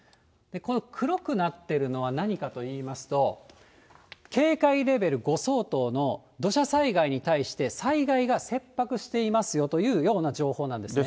この黒くなってるのは何かといいますと、警戒レベル５相当の土砂災害に対して災害が切迫していますよというような情報なんですね。